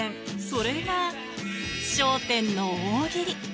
それが笑点の大喜利。